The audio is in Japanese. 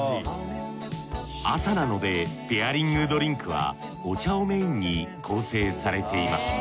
朝なのでペアリングドリンクはお茶をメインに構成されています